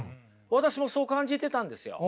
私もそう感じてたんですよ。